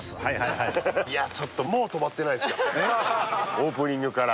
オープニングから。